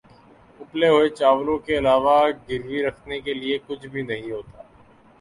اُبلے ہوئے چاولوں کے علاوہ گروی رکھنے کے لیے کچھ بھی نہیں ہوتا